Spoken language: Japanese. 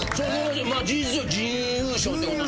事実上準優勝ってことで。